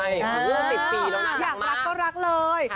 อยากรักก็รักเลย